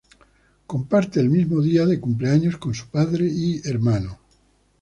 Comparte el mismo día de cumpleaños con su padre y hermano.